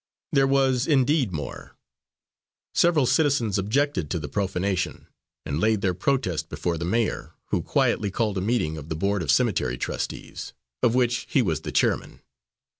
There was indeed more. Several citizens objected to the profanation, and laid their protest before the mayor, who quietly called a meeting of the board of cemetery trustees, of which he was the chairman.